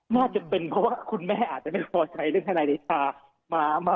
น่าจะเป็นเพราะว่าคุณแม่อาจจะไม่พอใจเรื่องทนายเดชา